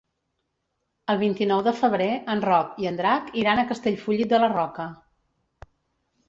El vint-i-nou de febrer en Roc i en Drac iran a Castellfollit de la Roca.